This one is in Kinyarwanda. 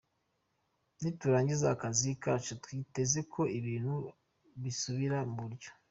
Niturangiza akazi kacu twiteze ko ibintu bisubira mu buryo.